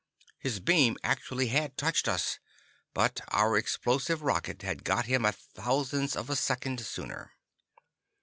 His beam actually had touched us, but our explosive rocket had got him a thousandth of a second sooner.